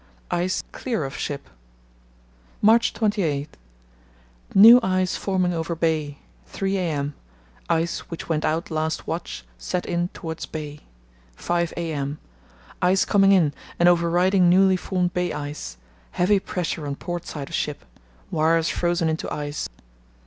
—Ice clear of ship. "March 28.—New ice forming over bay. 3 a.m.—Ice which went out last watch set in towards bay. 5 a.m.—Ice coming in and overriding newly formed bay ice; heavy pressure on port side of ship; wires frozen into ice.